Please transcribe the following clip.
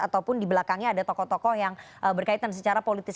ataupun di belakangnya ada tokoh tokoh yang berkaitan secara politis